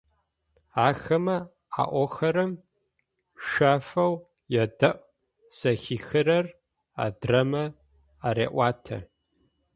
Ахэмэ аӏохэрэм шъэфэу ядэӏу, зэхихырэр адрэмэ ареӏуатэ.